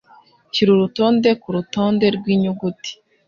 Shyira urutonde kurutonde rwinyuguti.